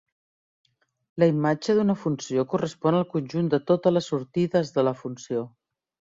La imatge d'una funció correspon al conjunt de totes les sortides de la funció.